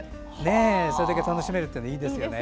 それだけ楽しめるのはいいですね。